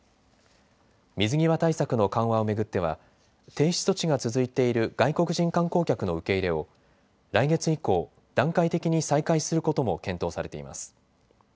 水際対策の緩和を巡っては停止措置が続いている外国人観光客の受け入れを来月以降、段階的に再開することも検討されています。